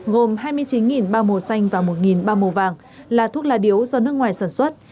gồm hai mươi chín bao màu xanh và một bao màu vàng là thuốc lá điếu do nước ngoài sản xuất